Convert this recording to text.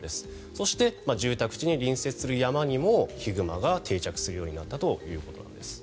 そして、住宅地に隣接する山にもヒグマが定着するようになったということなんです。